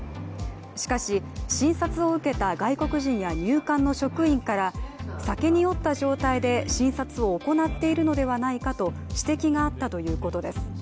しかし、診察を受けた外国人や入管の職員から酒に酔った状態で診察を行っているのではないかと指摘があったということです。